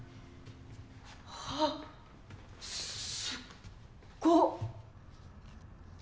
あっすっご！